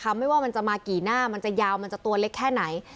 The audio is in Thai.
ไม่ว่ามันจะมากี่หน้ามันจะยาวมันจะตัวเล็กแค่ไหน